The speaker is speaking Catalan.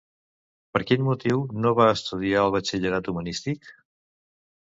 Per quin motiu no va estudiar el batxillerat humanístic?